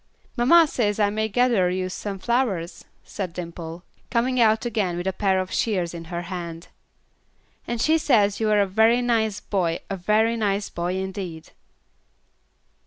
"Mamma says I may gather you some flowers," said Dimple, coming out again with a pair of shears in her hand, "and she says you are a very nice boy, a very nice boy indeed."